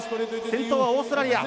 先頭はオーストラリア。